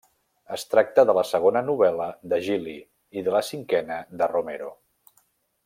Es tracta de la segona novel·la de Gili i de la cinquena de Romero.